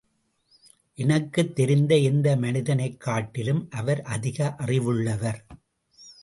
எனக்குத் தெரிந்த எந்த மனிதனைக் காட்டிலும், அவர் அதிக அறிவுள்ளவர்.